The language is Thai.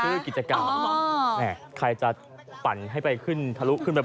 ชื่อกิจกรรมใครจะปั่นให้ไปขึ้นทะลุดอยได้นะ